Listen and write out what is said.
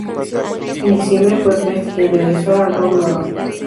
En diciembre fue Pest quien regresó a Gorgoroth.